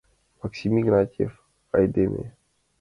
— Максим Игнатьевич сай айдеме.